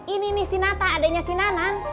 ini nih si nata adanya si nanang